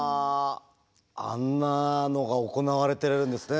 あんなのが行われてるんですね